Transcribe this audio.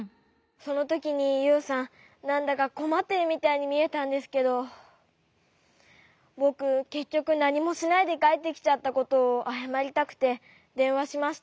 そのときにユウさんなんだかこまっているみたいにみえたんですけどぼくけっきょくなにもしないでかえってきちゃったことをあやまりたくてでんわしました。